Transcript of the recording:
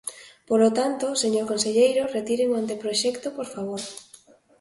Polo tanto, señor conselleiro, retiren o anteproxecto, por favor.